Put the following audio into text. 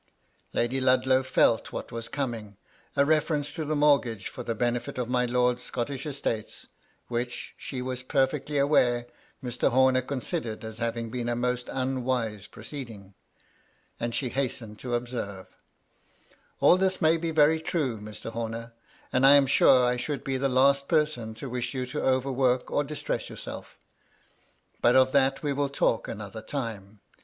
Lady Ludlow felt what was coming — a reference to the mortgage for the benefit of my lord's Scottish estates, which, she was perfectly aware, Mr. Homer considered as having been a most unwise proceeding — and she hastened to observe :—" AU this may be very true, Mr. Homer, and I am sure I should be the last person to wish you to over work or distress yourself; but of that we will talk another time.